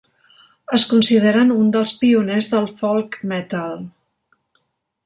Es consideren un dels pioners del folk metal.